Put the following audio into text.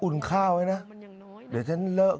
คุณพ่อครับสารงานต่อของคุณพ่อครับ